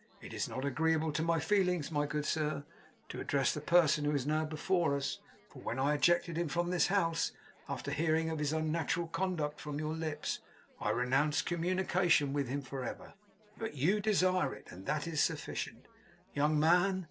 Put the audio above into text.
It is not agreeable to my feelings, my good sir, to address the person who is now before us, for when I ejected him from this house, after hearing of his unnatural conduct from your lips, I renounced communication with him for ever. But you desire it; and that is sufficient. Young man!